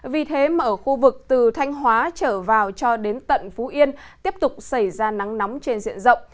vì thế mà ở khu vực từ thanh hóa trở vào cho đến tận phú yên tiếp tục xảy ra nắng nóng trên diện rộng